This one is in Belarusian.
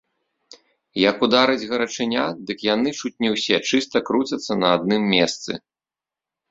Як ударыць гарачыня, дык яны чуць не ўсе чыста круцяцца на адным месцы.